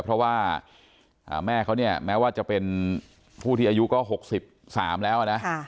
เพราะว่าแม่เขาเนี่ยแม้ว่าจะเป็นผู้ที่อายุก็๖๓แล้วนะ